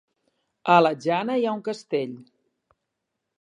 A la Jana hi ha un castell?